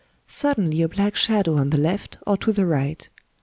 Suddenly a black shadow on the left or to the right.